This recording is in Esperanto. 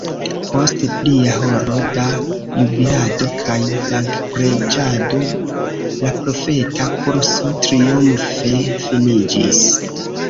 Post plia horo da jubilado kaj dankpreĝado la profeta kurso triumfe finiĝis.